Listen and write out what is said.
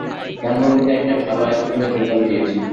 ধানমণ্ডিতে একটা ভালো আইসক্রীমের দোকান দিয়েছে।